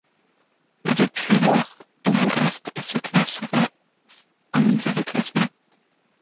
Depuis lors, elles y restent et se classent souvent en milieu de classement.